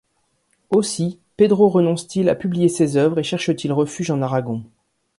Aussi Pedro renonce-t-il à publier ses œuvres et cherche-t-il refuge en Aragon.